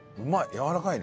やわらかいね。